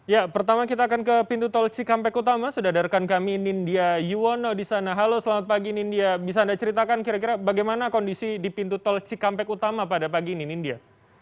ya pertama kita akan ke pintu tol cikampek utama sudah ada rekan kami nindya yuwono di sana halo selamat pagi nindya bisa anda ceritakan kira kira bagaimana kondisi di pintu tol cikampek utama pada pagi ini nindya